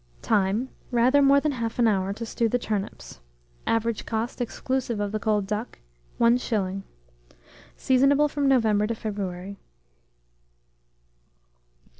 Time. Rather more than 1/2 hour to stew the turnips. Average cost, exclusive of the cold duck, 1s. Seasonable from November to February.